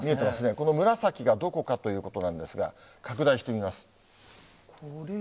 この紫がどこかということなんですが、拡大してみます。